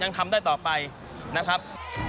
ยังทำได้ต่อไปนะครับ